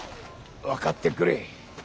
分かってくれ。